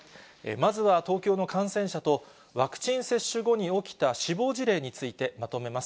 まずは東京の感染者と、ワクチン接種後に起きた死亡事例について、まとめます。